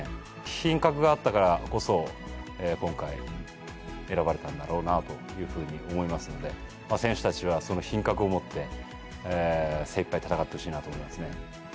品格があったからこそ、今回、選ばれたんだろうなというふうに思いますので、選手たちはその品格を持って、精いっぱい戦ってほしいなと思いますね。